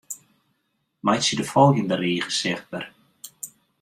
Meitsje de folgjende rige sichtber.